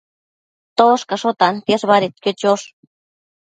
Toshcasho tantiash badedquio chosh